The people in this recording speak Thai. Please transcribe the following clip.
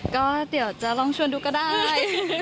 ก็เดี๋ยวจะลองชวนดูก็ได้